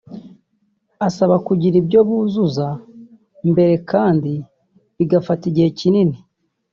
abasaba kugira ibyo buzuza mbere kandi bigafata igihe kinini